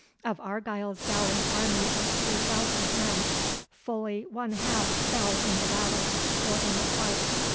Of Argyle's gallant army of three thousand men, fully one half fell in the battle, or in the flight.